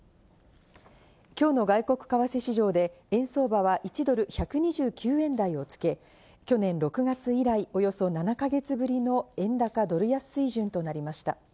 きょうの外国為替市場で、円相場は１ドル１２９円台をつけ、去年６月以来、およそ７か月ぶりの円高ドル安水準となりました。